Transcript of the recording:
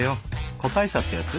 個体差ってやつ？